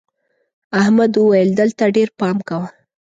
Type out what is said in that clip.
احمد وويل: دلته ډېر پام کوه.